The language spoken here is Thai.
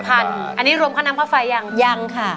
อันนี้รวมค่าน้ำค่าไฟยังยังค่ะ